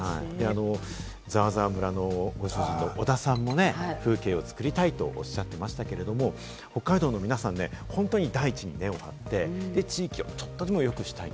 ザワザワ村のご主人の小田さんもね、風景を作りたいとおっしゃってましたけれども、北海道の皆さん、本当に大地に根があって、地域をちょっとでも良くしたい。